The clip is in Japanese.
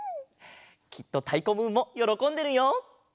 きっとたいこムーンもよろこんでるよ。